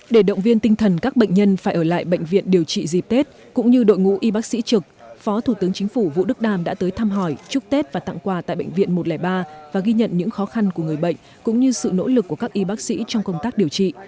để động viên tinh thần các bệnh nhân phải ở lại bệnh viện điều trị dịp tết cũng như đội ngũ y bác sĩ trực phó thủ tướng chính phủ vũ đức đam đã tới thăm hỏi chúc tết và tặng quà tại bệnh viện một trăm linh ba và ghi nhận những khó khăn của người bệnh cũng như sự nỗ lực của các y bác sĩ trong công tác điều trị